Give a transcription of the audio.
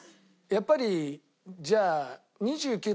やっぱりじゃあ。